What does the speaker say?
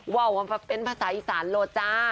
ว่าวมาเป็นภาษาอีสานเลยจ้า